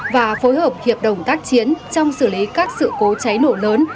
và phối hợp hiệp đồng tác chiến trong xử lý các sự cố cháy nổ lớn